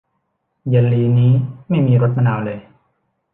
เยลลีนี้ไม่มีรสมะนาวเลย